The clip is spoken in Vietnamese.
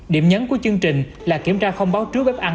điểm nhấn của chương trình là kiểm tra không báo trước bếp ăn